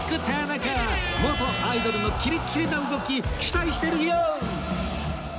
元アイドルのキレッキレな動き期待してる ＹＯ！